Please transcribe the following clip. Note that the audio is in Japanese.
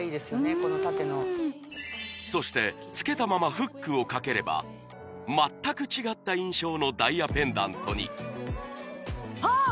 この縦のそしてつけたままフックをかければ全く違った印象のダイヤペンダントにあっ！